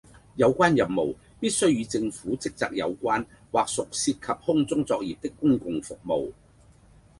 有關任務必須與政府職責有關或屬涉及空中作業的公共服務